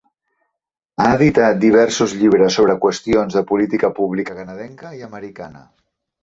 Ha editat diversos llibres sobre qüestions de política pública canadenca i americana.